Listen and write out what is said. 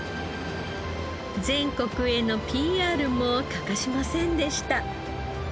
全国へのＰＲも欠かしませんでした。